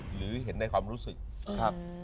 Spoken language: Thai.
หรือเห็นในความรู้สึกครับ